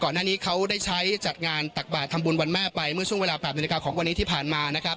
หน้านี้เขาได้ใช้จัดงานตักบาททำบุญวันแม่ไปเมื่อช่วงเวลา๘นาฬิกาของวันนี้ที่ผ่านมานะครับ